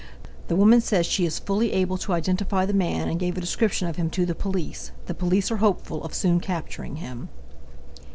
The woman says she is fully able to identify the man and gave a description of him to the police. The police are hopeful of soon capturing him.